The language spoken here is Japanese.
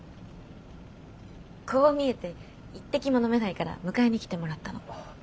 こう見えて一滴も飲めないから迎えに来てもらったの。